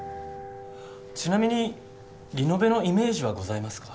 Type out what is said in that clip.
ちなみにリノベのイメージはございますか？